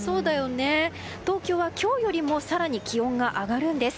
東京は今日よりも更に気温が上がるんです。